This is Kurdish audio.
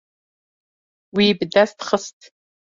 Wî bi dest xist.